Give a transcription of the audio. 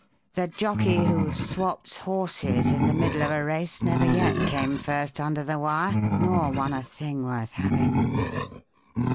The jockey who 'swaps horses' in the middle of a race never yet came first under the wire nor won a thing worth having.